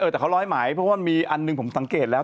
แต่เขาร้อยหมายเพราะว่ามีอันหนึ่งผมสังเกตแล้ว